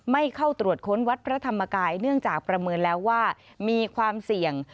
ไม่เข้าตรวจค้นวัดพระธรรมกายเนื่องจากประเมินแล้วว่ามีความเสี่ยง